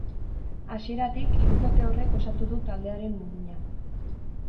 Hasieratik hirukote horrek osatu du taldearen muina.